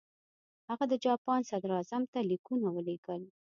هغه د جاپان صدراعظم ته لیکونه ولېږل.